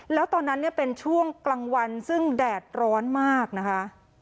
แล้วตอนนั้นเนี่ยเป็นช่วงกลางวันซึ่งแดดร้อนมากนะคะ